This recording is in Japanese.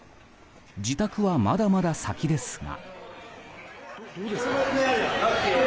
自宅はまだまだ先ですが。